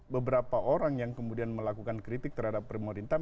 beberapa orang yang mengkritik pemerintah itu